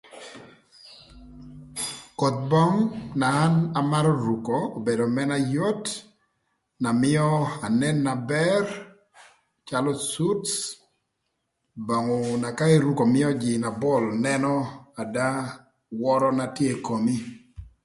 Koth böng na an amarö ruko obedo mënë ayot na mïö anen na bër calö cuth, böngü na ka iruko mïö jïï na pol nënö ada wörö na tye ï komi